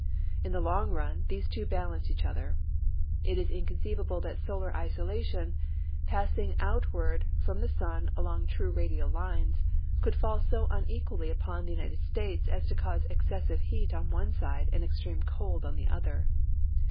In the long run, these two balance each other. It is inconceivable that solar insolation, passing out ward from the sun along true radial lines, could fall so un equally ui)on the United States as to cause excessive heat on one side and extreme cold on the other.